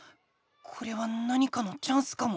これは何かのチャンスかも。